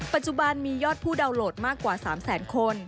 ปัจจุบันมียอดผู้ดาวนโหลดมากกว่า๓แสนคน